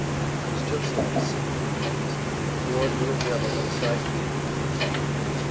It was just like a scene in the movies, the bored little devil inside Peter was whispering.